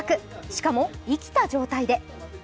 しかも生きた状態で。